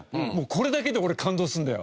これだけで俺感動するんだよ。